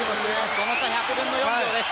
その差１００分の４秒です。